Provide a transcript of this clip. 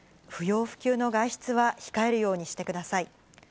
不要不急の外出は控えるようにしてください。